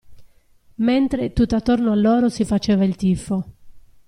Mentre tutt'attorno a loro si faceva il tifo.